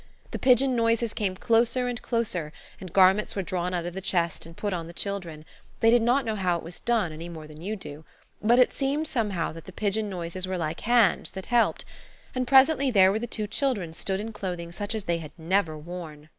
The pigeon noises came closer and closer, and garments were drawn out of the chest and put on the children. They did not know how it was done, any more than you do–but it seemed, somehow, that the pigeon noises were like hands that helped, and presently there the two children stood in clothing such as they had never worn.